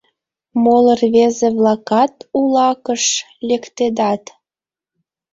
Моло рвезе-влакат улакыш лектедат.